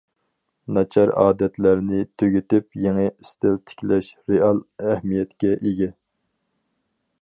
ناچار ئادەتلەرنى تۈگىتىپ، يېڭى ئىستىل تىكلەش رېئال ئەھمىيەتكە ئىگە.